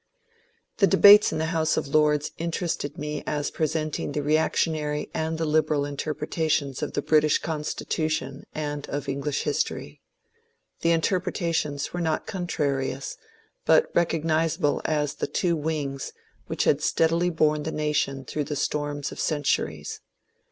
The debates in the House of Lords interested me as pre senting the reactionary and the liberal interpretations of the British Constitution and of English history. The interpreta tions were not contrarious, but recognizable as the two wings which had steadily borne the nation through the storms of centuries.